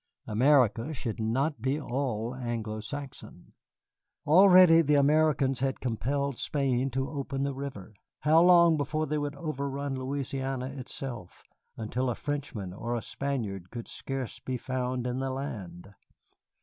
America should not be all Anglo Saxon. Already the Americans had compelled Spain to open the River. How long before they would overrun Louisiana itself, until a Frenchman or a Spaniard could scarce be found in the land?